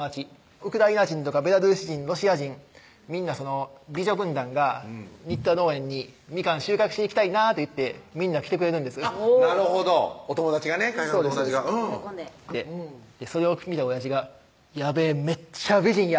ウクライナ人とかベラルーシ人・ロシア人みんな美女軍団が「新田農園にみかん収穫しに行きたいな」って言ってみんな来てくれるんですなるほど海外のお友達がそれを見たおやじが「やべめっちゃ美人や」